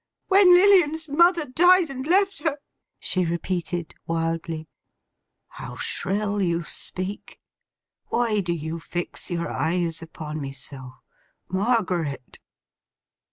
'When Lilian's mother died and left her!' she repeated, wildly. 'How shrill you speak! Why do you fix your eyes upon me so? Margaret!